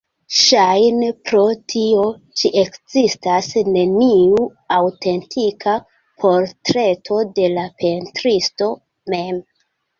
Ŝajne pro tio ĉi ekzistas neniu aŭtentika portreto de la pentristo mem.